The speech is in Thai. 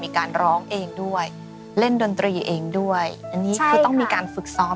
มีการร้องเองด้วยเล่นดนตรีเองด้วยอันนี้คือต้องมีการฝึกซ้อม